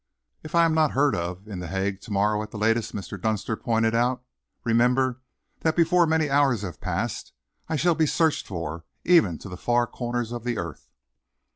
"If I am not heard of in The Hague to morrow at the latest," Mr. Dunster pointed out, "remember that before many more hours have passed, I shall be searched for, even to the far corners of the earth."